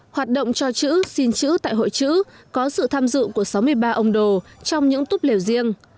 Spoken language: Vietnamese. hoạt động cho chữ xin chữ tại hội chữ có sự tham dự của sáu mươi ba ông đồ trong những túp lều riêng